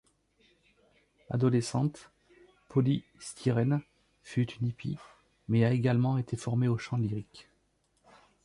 Adolescente, Poly Styrene fut une hippie, mais a également été formée au chant lyrique.